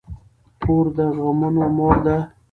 پور د غمونو مور ده.